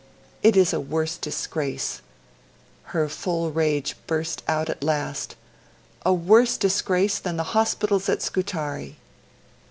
It is a worse disgrace ...' her full rage burst out at last, '... a worse disgrace than the hospitals at Scutari.'